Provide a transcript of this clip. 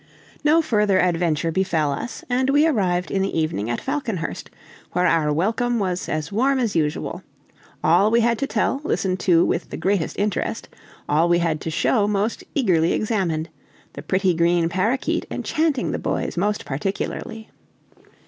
No further adventure befell us, and we arrived in the evening at Falconhurst, where our welcome was as warm as usual all we had to tell listened to with the greatest interest, all we had to show most eagerly examined, the pretty green parroquet enchanting the boys most particularly.